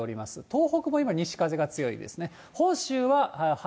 東北も今、西風が強いですね。